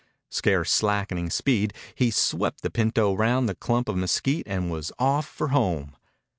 Scarce slackening speed, he swept the pinto round the clump of mesquite and was off for home.